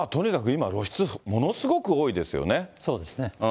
今、そうですね。